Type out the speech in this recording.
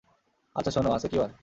আচ্ছা শুনো, আজকে কী বার?